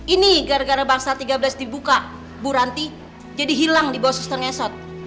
ini gara gara bangsa tiga belas dibuka bu ranti jadi hilang di bawah suster ngesot